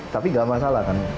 tapi nggak masalah kan